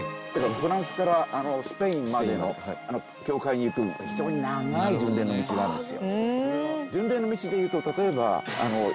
フランスからスペインまでの教会に行く非常に長い巡礼の道があるんですよ。